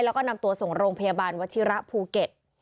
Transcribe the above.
แล้วก็นำตัวส่งโรงพยาบาลวชิระภูเก็ต